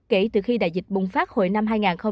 kể từ khi đại dịch bùng phát hồi năm hai nghìn một mươi